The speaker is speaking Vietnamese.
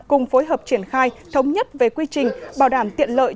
cùng phối hợp triển khai thống nhất về quy trình bảo đảm tiện lợi